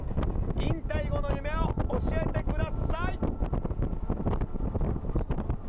引退後の夢を教えてください。